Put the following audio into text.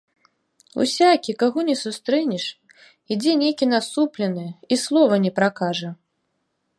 Усякі, каго ні сустрэнеш, ідзе нейкі насуплены і слова не пракажа.